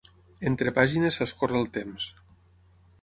"Entre pàgines s'escorre el temps"